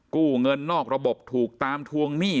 กู้เงินนอกระบบถูกตามทวงหนี้